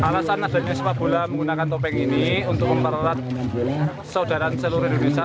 alasan adanya sepak bola menggunakan topeng ini untuk mempererat saudara seluruh indonesia